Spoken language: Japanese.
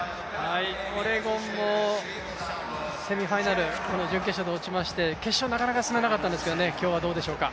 オレゴンもセミファイナル、準決勝で落ちまして、決勝なかなか進めなかったんですけど、今日はどうでしょうか。